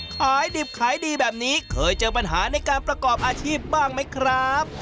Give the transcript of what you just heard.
ขายดิบขายดีแบบนี้เคยเจอปัญหาในการประกอบอาชีพบ้างไหมครับ